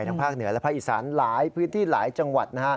ทางภาคเหนือและพระอิสรรพื้นที่หลายจังหวัด